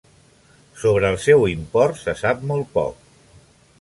Sobre el seu import se sap molt poc.